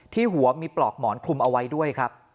หัวมีปลอกหมอนคลุมเอาไว้ด้วยครับ